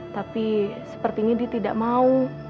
tapi sepertinya dia tidak mau